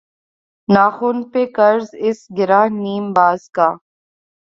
ناخن پہ قرض اس گرہ نیم باز کا